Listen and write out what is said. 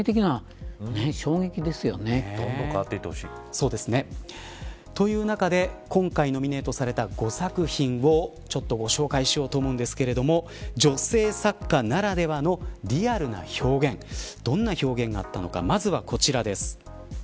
どんどんという中で今回ノミネートされた５作品をちょっと紹介しようと思いますが女性作家ならではのリアルな表現どんな表現があったのかまずはこちらです。